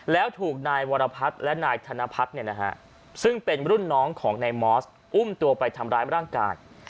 แล้วถูกนายวรพัฒน์และนายธนพัฒน์ซึ่งเป็นรุ่นน้องของนายมอสอุ้มตัวไปทำร้ายร่างกาย